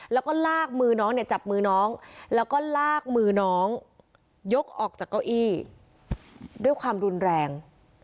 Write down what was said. แล้วก็ลากมือน้องเนี่ยจับมือน้องแล้วก็ลากมือน้องยกออกจากเก้าอี้ด้วยความรุนแรง